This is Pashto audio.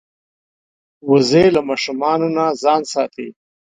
وزې له ماشومانو نه ځان ساتي